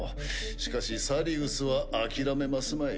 しかしサリウスは諦めますまい。